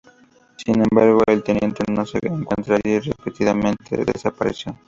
Sin embargo, el teniente no se encuentra allí, repentinamente desapareció.